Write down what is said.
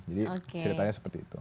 jadi ceritanya seperti itu